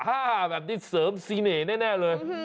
ท่าแบบนี้เสริมซีเหน่หแน่เลย